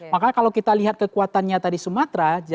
makanya kalau kita lihat kekuatannya tadi sumatera